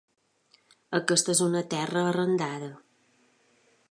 Aquesta és una terra arrendada.